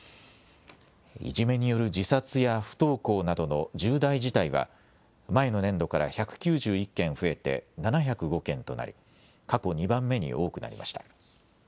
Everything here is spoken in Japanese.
いじめによる自殺や不登校などの重大事態は前の年度から１９１件増えて７０５件となり過去２番目に多くなりました。